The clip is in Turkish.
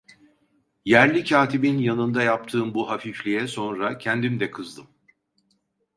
Yerli katibin yanında yaptığım bu hafifliğe sonra kendim de kızdım.